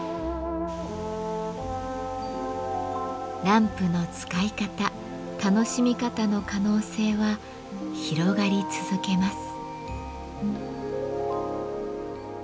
ランプの使い方楽しみ方の可能性は広がり続けます。